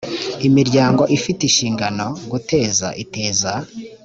imiryango ifite inshingano guteza iteza